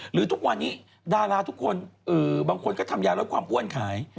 ทุกวันนี้ดาราทุกคนบางคนก็ทำยาลดความอ้วนขาย